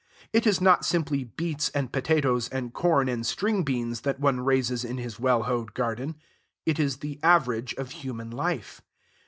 It is not simply beets and potatoes and corn and string beans that one raises in his well hoed garden: it is the average of human life.